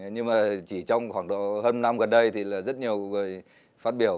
nhưng mà chỉ trong khoảng hơn năm năm gần đây thì là rất nhiều người phát biểu